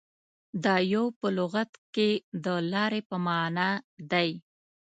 • دایو په لغت کې د لارې په معنیٰ دی.